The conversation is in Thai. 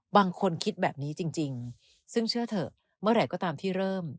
บางคนคิดแบบนี้จริงซึ่งเชื่อเถอะเมื่อไหร่ก็ตามที่เริ่ม